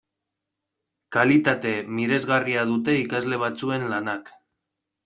Kalitate miresgarria dute ikasle batzuen lanak.